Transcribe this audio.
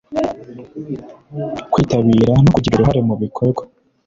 kwitabira no kugira uruhare mu bikorwa